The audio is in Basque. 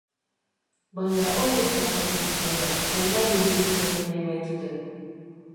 Baina hori ez da uste zuzena, kalbarioa irudikatu nahi baitute.